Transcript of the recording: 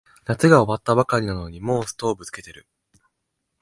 夏が終わったばかりなのにもうストーブつけてる